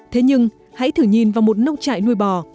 thế nhưng hãy thử nhìn vào một nông trại nuôi bò